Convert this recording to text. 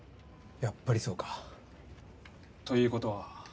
やっぱりそうか。ということは。